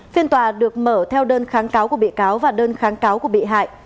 phiên tòa được mở theo đơn kháng cáo của bị cáo và đơn kháng cáo của bị hại